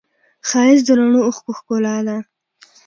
ښایست د رڼو اوښکو ښکلا ده